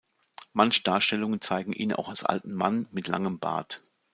Manche Darstellungen zeigen ihn auch als alten Mann mit langem Bart.